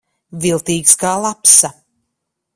Viltīgs kā lapsa.